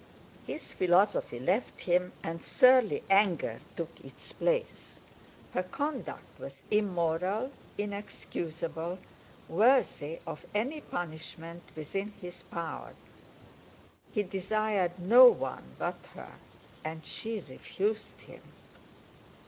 His philosophy left him; and surly anger took its place. Her conduct was immoral, inexcusable, worthy of any punishment within his power. He desired no one but her, and she refused him!